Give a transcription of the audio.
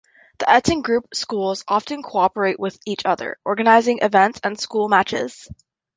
The Eton Group schools often cooperate with each other, organising events and school matches.